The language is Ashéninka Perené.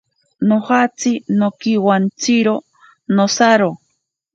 Nojatsi nonkiwantsiro nosaro.